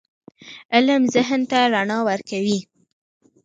علم ذهن ته رڼا ورکوي.